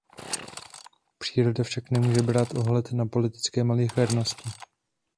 Příroda však nemůže brát ohled na politické malichernosti.